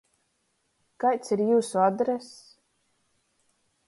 Kaids ir jiusu adress?